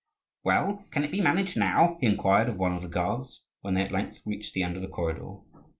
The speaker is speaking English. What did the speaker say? "Well, can it be managed now?" he inquired of one of the guards, when they at length reached the end of the corridor.